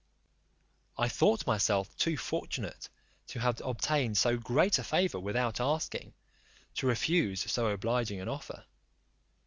I thought myself too fortunate, to have obtained so great a favour without asking, to refuse so obliging an offer.